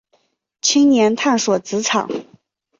青年探索职场